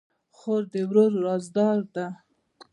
خور د ورور رازدار ده.